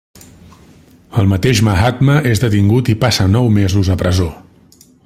El mateix Mahatma és detingut i passa nou mesos a presó.